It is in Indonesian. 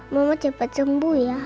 mama cepat sembuh ya